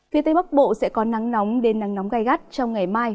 phía tây bắc bộ sẽ có nắng nóng đến nắng nóng gai gắt trong ngày mai